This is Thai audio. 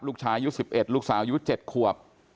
ลูกชายุดสิบเอ็ดลูกสายุดเจ็ดขวบ